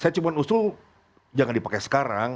saya cuma usul jangan dipakai sekarang